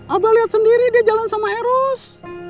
abah lihat sendiri dia jalan sama heroes